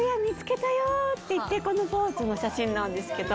このポーズの写真なんですけど。